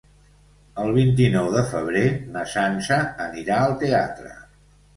El vint-i-nou de febrer na Sança anirà al teatre.